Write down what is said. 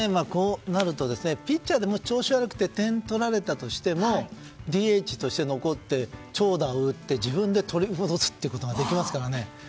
こうなるとピッチャーでも調子が悪くて点を取られたとしてもＤＨとして残って長打を打って自分で取り戻すってことができますからね。